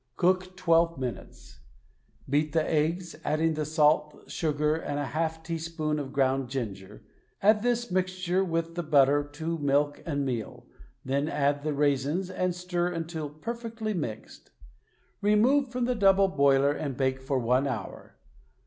Cook twelve minutes. Beat the eggs, adding the salt, sugar and a half tea spoonful of ground ginger. Add this mixture with the butter to milk and meal, then add the raisins and stir until perfectly mixed. Remove from the double boiler and bake for one hour.